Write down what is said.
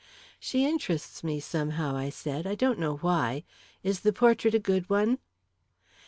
"She interests me, somehow," I said. "I don't know why. Is the portrait a good one?"